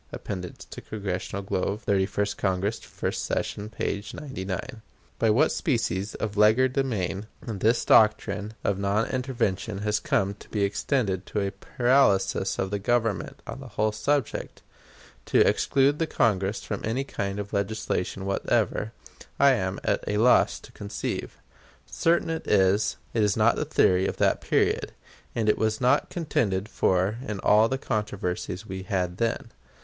(Appendix to Congressional Globe, Thirty first Congress, first session, p. 99.) By what species of legerdemain this doctrine of non intervention has come to extend to a paralysis of the Government on the whole subject, to exclude the Congress from any kind of legislation whatever, I am at a loss to conceive. Certain it is, it was not the theory of that period, and it was not contended for in all the controversies we had then.